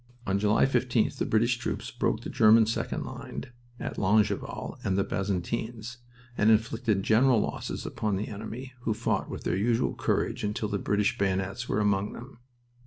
On July 15th the British troops broke the German second line at Longueval and the Bazentins, and inflicted great losses upon the enemy, who fought with their usual courage until the British bayonets were among them.